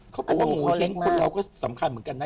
เขาบอกว่าโงเห้งคนเราก็สำคัญเหมือนกันนะ